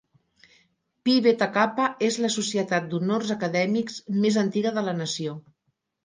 Phi Beta Kappa és la societat d'honors acadèmics més antiga de la nació.